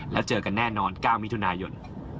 แล้วเจอกันแน่นอน๙มิถุนายน